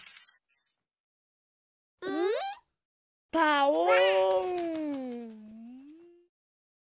パオーン！